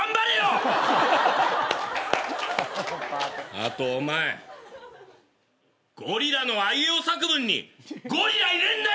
あとお前ゴリラのあいうえお作文に「ゴリラ」入れんなよ！